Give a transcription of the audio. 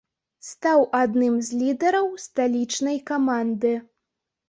Стаў адным з лідараў сталічнай каманды.